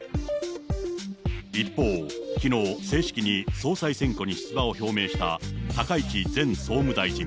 一方、きのう、正式に総裁選挙に出馬を表明した高市前総務大臣。